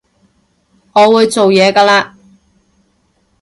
我會做嘢㗎喇